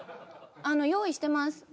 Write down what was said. あの用意してます。